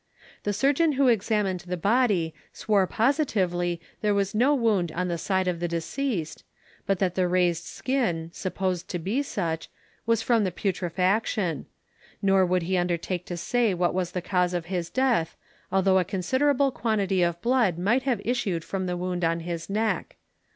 The surgeon who examined the body swore positively there was no wound in the side of the deceased, but that the raised skin, supposed to be such, was from the putrefaction; nor would he undertake to say what was the cause of his death, although a considerable quantity of blood might have issued from the wound in his neck.